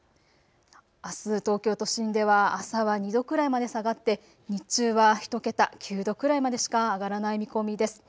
あす、東京都心では朝は２度くらいまで下がって日中は１桁、９度くらいまでしか上がらない見込みです。